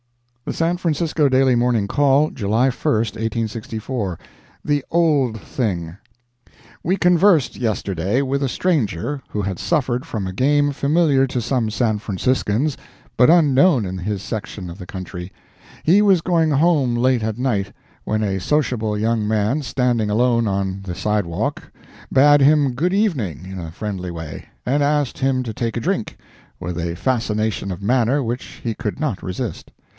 The San Francisco Daily Morning Call, July 1, 1864 THE OLD THING We conversed yesterday with a stranger, who had suffered from a game familiar to some San Franciscans, but unknown in his section of the country. He was going home late at night, when a sociable young man, standing alone on the sidewalk, bade him good evening in a friendly way, and asked him to take a drink, with a fascination of manner which he could not resist.